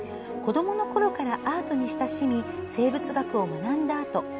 子どものころからアートに親しみ生物学を学んだあと